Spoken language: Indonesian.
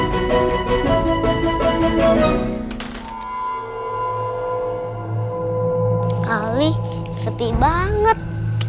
kali sepi banget